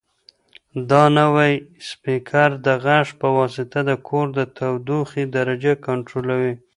دا نوی سپیکر د غږ په واسطه د کور د تودوخې درجه کنټرولوي.